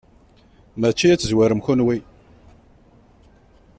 Mačči ad tezwarem kenwi.